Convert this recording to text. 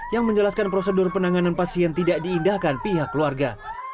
yang menjelaskan prosedur penanganan pasien tidak diindahkan pihak keluarga